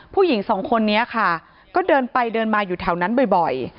ผู้หญิงสองคนนี้ค่ะก็เดินไปเดินมาอยู่แถวนั้นบ่อย